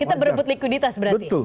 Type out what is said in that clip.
kita berebut likuiditas berarti